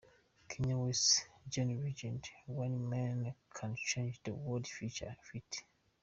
Kanye West & John Legend – One Man Can Change The World Future ft.